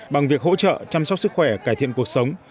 bằng việc hỗ trợ chăm sóc sức khỏe cải thiện cuộc sống